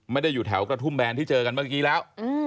อยู่แถวกระทุ่มแบนที่เจอกันเมื่อกี้แล้ว